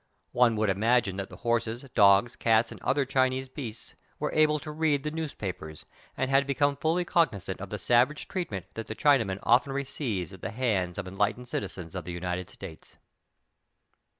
One would imagine that the horses, dogs, cats and other Chinese beasts were able to read the newspapers and had became fully cognizant of the savage treatment that the Chinaman often receives at the hands of enlightened citizens of the United States.